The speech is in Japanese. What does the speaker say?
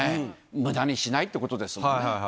むだにしないということですもんね。